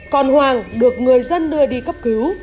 còn hoàng được người dân đưa đi cấp cứu